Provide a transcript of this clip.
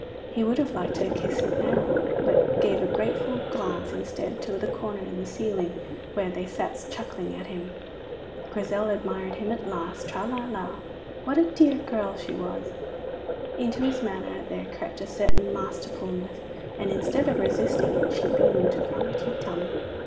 He would have liked to kiss it now, but gave a grateful glance instead to the corner in the ceiling where they sat chuckling at him. Grizel admired him at last. Tra, la, la! What a dear girl she was! Into his manner there crept a certain masterfulness, and instead of resisting it she beamed. Rum ti tum!